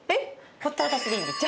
ほったらかしでいいんです。